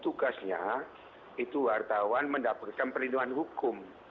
tugasnya itu wartawan mendapatkan perlindungan hukum